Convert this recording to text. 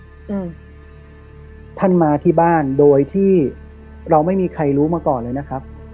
อืมท่านมาที่บ้านโดยที่เราไม่มีใครรู้มาก่อนเลยนะครับ